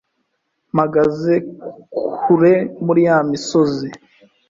Mpagaze kure Muri ya misozi